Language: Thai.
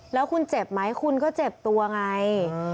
แล้วคุณเจ็บไหมคุณก็เจ็บตัวไง